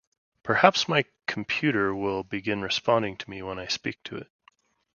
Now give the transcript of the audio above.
Perhaps my computer will begin responding to me when I speak to it.